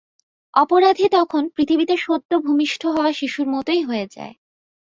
অপরাধী তখন পৃথিবীতে সদ্য ভূমিষ্ঠ হওয়া শিশুর মতই হয়ে যায়।